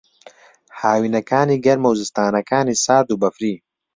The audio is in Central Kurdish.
ھاوینەکانی گەرمە و زستانانەکانی سارد و بەفری